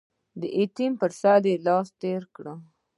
د يتيم پر سر لاس تېر کړه.